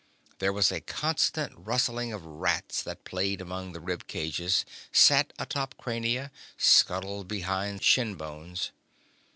There was a constant rustling of rats that played among the rib cages, sat atop crania, scuttled behind shin bones.